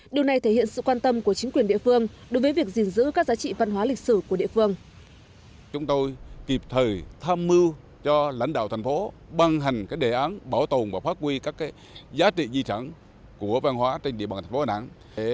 điều này thể hiện sự quan tâm của chính quyền địa phương đối với việc gìn giữ các giá trị văn hóa lịch sử của địa phương